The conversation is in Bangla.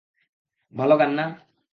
ভালো গান না?